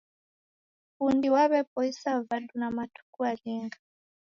Fundi waw'epoisa vadu na matuku alinga?